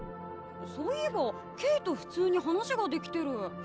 そういえばケイと普通に話ができてる。